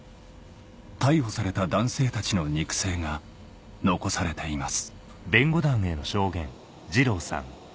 逮捕された男性たちの肉声が残されています